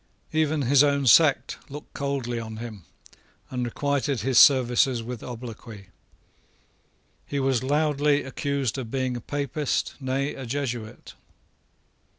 Even his own sect looked coldly on him, and requited his services with obloquy. He was loudly accused of being a Papist, nay, a Jesuit.